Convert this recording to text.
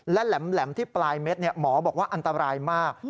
และแหลมที่ปลายเม็ดหมอบอกว่าอันตรายมาก